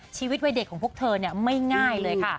ชีวิตวัยเด็กของพวกเธอไม่ง่ายเลยค่ะ